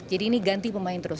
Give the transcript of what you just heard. jadi ini ganti pemain terus